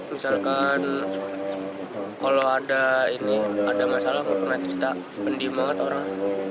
misalkan kalau ada masalah nggak pernah cerita pendiam banget orang